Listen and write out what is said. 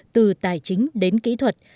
từ tài chính đến kỹ thuật